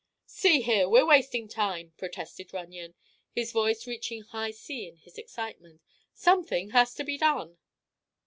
"See here; we're wasting time," protested Runyon, his voice reaching high C in his excitement. "Something must be done!"